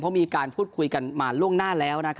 เพราะมีการพูดคุยกันมาล่วงหน้าแล้ว